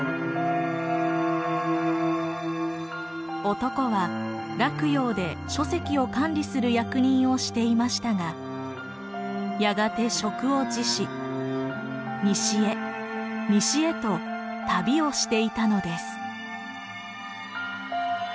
男は洛陽で書籍を管理する役人をしていましたがやがて職を辞し西へ西へと旅をしていたのです。